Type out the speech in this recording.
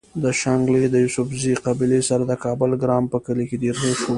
د شانګلې د يوسفزۍقبيلې سره د کابل ګرام پۀ کلي کې ديره شو